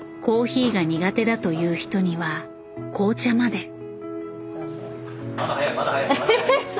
コーヒーが苦手だという人には紅茶まで。